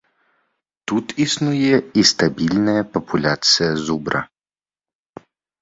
Тут існуе і стабільная папуляцыя зубра.